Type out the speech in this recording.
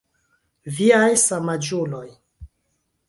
Viaj samaĝuloj.